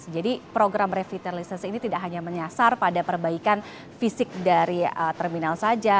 jadi program revitalisasi ini tidak hanya menyasar pada perbaikan fisik dari terminal saja